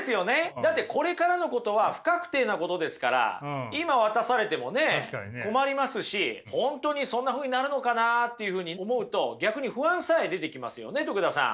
だってこれからのことは不確定なことですから今渡されてもね困りますし本当にそんなふうになるのかなっていうふうに思うと逆に不安さえ出てきますよね徳田さん。